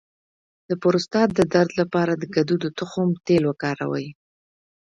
د پروستات د درد لپاره د کدو د تخم تېل وکاروئ